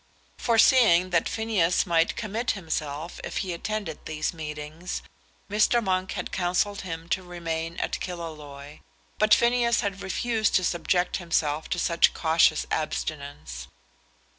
Foreseeing that Phineas might commit himself if he attended these meetings, Mr. Monk had counselled him to remain at Killaloe. But Phineas had refused to subject himself to such cautious abstinence.